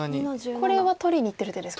これは取りにいってる手ですか。